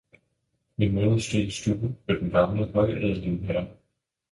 Min moder stod i stuen med den gamle højadelige herre.